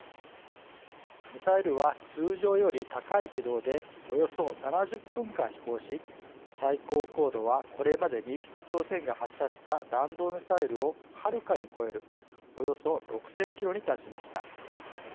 ミサイルは通常より高い軌道でおよそ７０分間飛行し最高高度はこれまでに北朝鮮が発射した弾道ミサイルをはるかに超えるおよそ６０００キロに達しました。